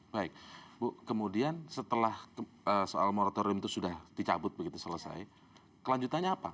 baik bu kemudian setelah soal moratorium itu sudah dicabut begitu selesai kelanjutannya apa